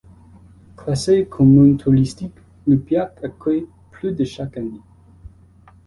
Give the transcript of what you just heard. Classée commune touristique, Lupiac accueille plus de chaque année.